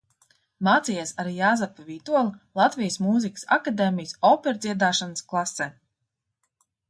Mācījies arī Jāzepa Vītola Latvijas Mūzikas akadēmijas operdziedāšanas klasē.